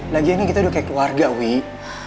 lagi ini kita udah kayak keluarga wih